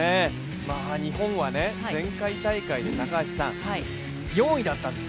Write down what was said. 日本は前回大会で４位だったんです。